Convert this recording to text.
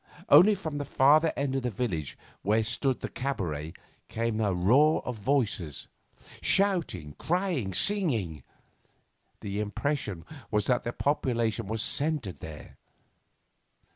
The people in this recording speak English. Only from the farther end of the village, where stood the cabaret, came a roar of voices, shouting, crying, singing. The impression was that the population was centred there.